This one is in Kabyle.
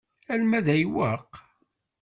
Alma d ayweq?